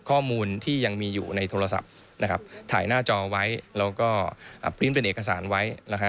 ข้อมูลที่ยังมีอยู่ในโทรศัพท์นะครับถ่ายหน้าจอไว้แล้วก็ปริ้นต์เป็นเอกสารไว้นะฮะ